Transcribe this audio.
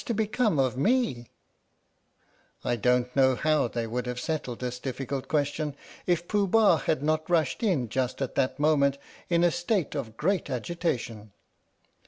85 THE STORY OF THE MIKADO I don't know how they would have settled this difficult question if Pooh Bah had not rushed in just at that moment, in a state of great agitation.